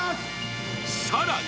［さらに］